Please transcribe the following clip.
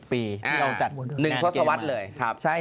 ที่เราจัดงานเกมส์ในไทย